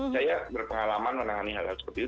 saya berpengalaman menangani hal hal seperti itu